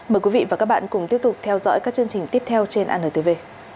mời quý vị và các bạn cùng tiếp tục theo dõi các chương trình tiếp theo trên antv